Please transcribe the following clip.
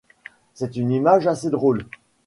C'est une image assez drôle.